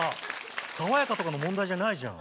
爽やかとかの問題じゃないじゃん。